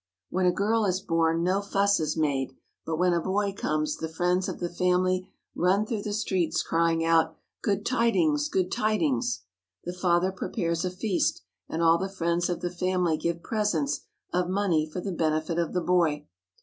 When a girl is born no fuss is made, but when a boy comes the friends of the family run through the streets crying out: "Good tidings! Good tidings!" The father pre pares a feast, and all the friends of the family give presents of money for the benefit of the boy.